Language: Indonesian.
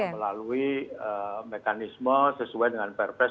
melalui mekanisme sesuai dengan perpres